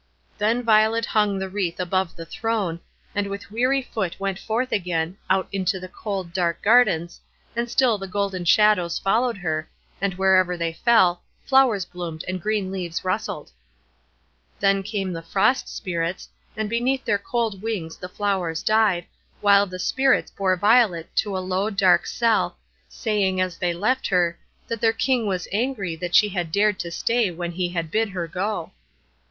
Then Violet hung the wreath above the throne, and with weary foot went forth again, out into the cold, dark gardens, and still the golden shadows followed her, and wherever they fell, flowers bloomed and green leaves rustled. Then came the Frost Spirits, and beneath their cold wings the flowers died, while the Spirits bore Violet to a low, dark cell, saying as they left her, that their King was angry that she had dared to stay when he had bid her go.